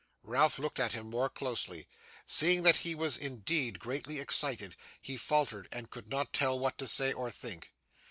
Ralph looked at him more closely. Seeing that he was indeed greatly excited, he faltered, and could not tell what to say or think.